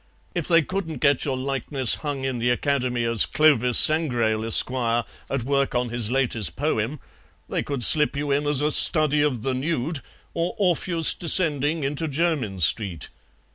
If they couldn't get your likeness hung in the Academy as 'Clovis Sangrail, Esq., at work on his latest poem,' they could slip you in as a Study of the Nude or Orpheus descending into Jermyn Street.